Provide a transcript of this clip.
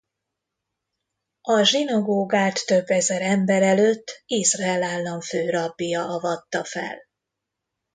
A zsinagógát több ezer ember előtt Izrael Állam főrabbija avatta fel.